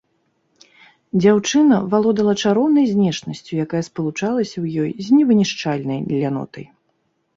Дзяўчына валодала чароўнай знешнасцю, якая спалучалася ў ёй з невынішчальнай лянотай.